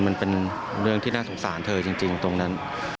มันเป็นเรื่องที่น่าสงสารเธอจริงตรงนั้น